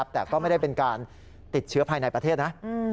แต่ก็ไม่ได้เป็นการติดเชื้อภายในประเทศนะ